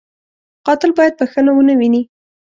قاتل باید بښنه و نهويني